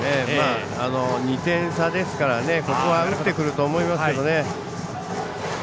２点差ですからここは打ってくると思いますけどね。